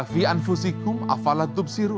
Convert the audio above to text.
wafi'an fusikum afalatubsirun